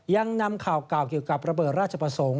ยังนำข่าวเก่าเกี่ยวกับระเบิดราชประสงค์